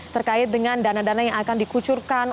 terkait dengan dana dana yang akan dikucurkan